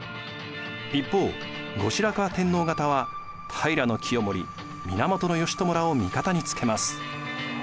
一方後白河天皇方は平清盛源義朝らを味方につけます。